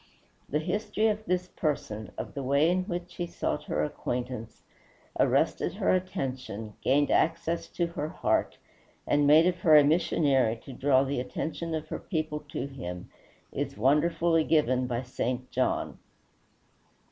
The history of this person, of the way in which he sought her acquaintance, arrested her attention, gained access to her heart, and made of her a missionary to draw the attention of her people to him, is wonderfully given by St. John.